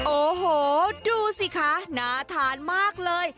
โอ้โหดูสิคะน่าทานมากเลย